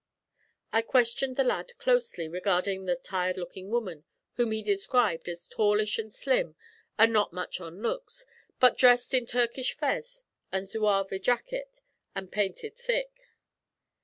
I questioned the lad closely regarding the 'tired lookin' woman,' whom he described as 'tallish, an' slim, an' not much on looks,' but dressed in Turkish fez, and Zouave jacket, and 'painted thick.'